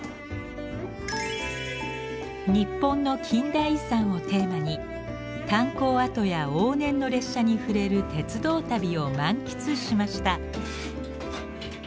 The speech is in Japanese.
日本の近代遺産をテーマに炭鉱跡や往年の列車に触れる鉄道旅を満喫しました。